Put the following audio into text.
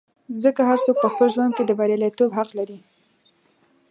ځکه هر څوک په خپل ژوند کې د بریالیتوب حق لري.